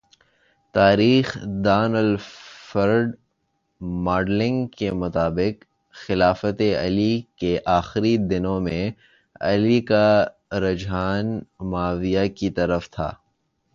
تاریخ دان Wilfred modelling کے مطابق خلافتِ علی کے آخری دنوں میں علی کا رجحان معاویہ کی طرف تھا